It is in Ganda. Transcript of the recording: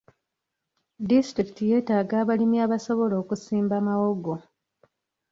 Disitulikiti yeetaaga abalimi abasobola okusimba mawogo.